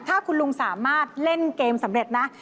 ถ้าคุณลุงสามารถเล่นเกมสำเร็จนะ